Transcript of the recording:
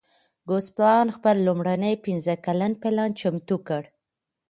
ګوسپلن خپل لومړنی پنځه کلن پلان چمتو کړ